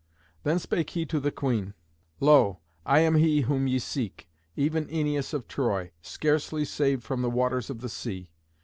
Then spake he to the queen, "Lo! I am he whom ye seek, even Æneas of Troy, scarcely saved from the waters of the sea.